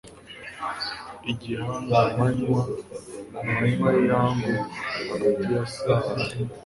igihangamanywa ku manywa y'ihangu, hagati ya saa